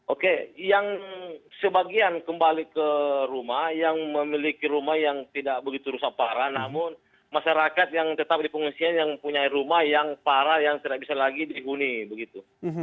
oke yang sebagian kembali ke rumah yang memiliki rumah yang tidak begitu rusak parah namun masyarakat yang tetap di pengungsian yang punya rumah yang parah yang tidak bisa lagi dihuni begitu